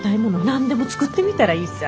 何でも作ってみたらいいさ。